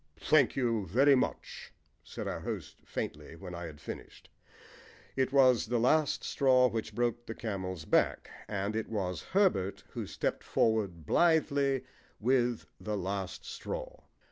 "Thank you very much," said our host faintly when I had finished. It was the last straw which broke the camel's back, and it was Herbert who stepped forward blithely with the last straw.